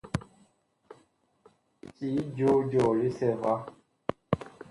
Cii joo jɔɔ lisɛ va.